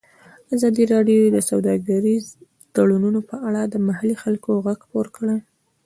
ازادي راډیو د سوداګریز تړونونه په اړه د محلي خلکو غږ خپور کړی.